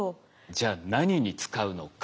じゃあ何に使うのか。